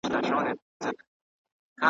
ستا تر پلو ستا تر اوربل او ستا تر څڼو لاندي .